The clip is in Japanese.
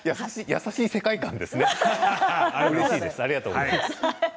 優しい世界観ですね。